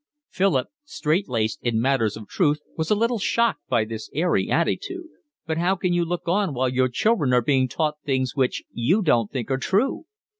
Philip, strait laced in matters of truth, was a little shocked by this airy attitude. "But how can you look on while your children are being taught things which you don't think are true?"